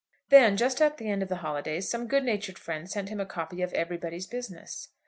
Then, just at the end of the holidays, some good natured friend sent to him a copy of 'Everybody's Business.'